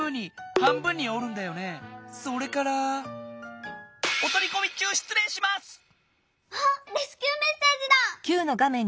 はっレスキューメッセージだ！